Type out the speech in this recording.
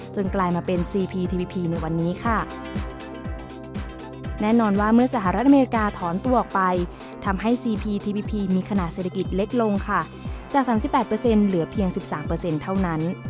จาก๓๘เหลือเพียง๑๓เท่านั้น